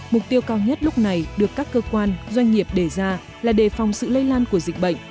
mục tiêu cao nhất lúc này được các cơ quan doanh nghiệp đề ra là đề phòng sự lây lan của dịch bệnh